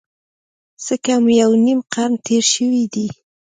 څه کم یو نیم قرن تېر شوی دی.